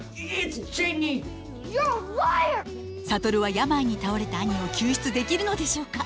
諭は病に倒れた兄を救出できるのでしょうか。